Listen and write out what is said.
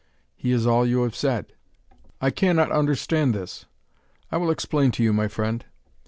"He is all you have said." "I cannot understand this." "I will explain to you, my friend.